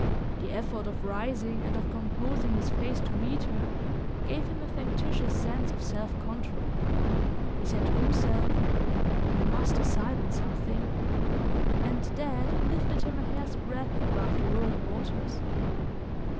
The effort of rising, and of composing his face to meet her, gave him a factitious sense of self control. He said to himself: "I must decide on something " and that lifted him a hair's breadth above the whirling waters.